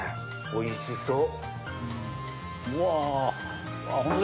おいしそう。